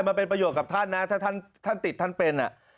มันเป็นประโยชน์กับท่านนะถ้าท่านติดท่านเป็น